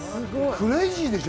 クレイジーでしょ？